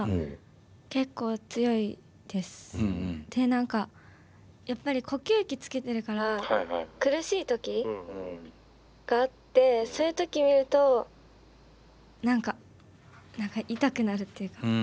何かやっぱり呼吸器つけてるから苦しい時があってそういう時見ると何か何か痛くなるっていうか。